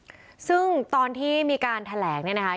ซึ่งตอนที่มีการแถลงเนี่ยนะคะ